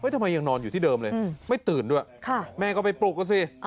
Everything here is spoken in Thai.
ทำไมยังนอนอยู่ที่เดิมเลยไม่ตื่นด้วยแม่ก็ไปปลุกกันสิ